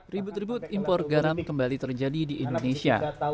ribut ribut impor garam kembali terjadi di indonesia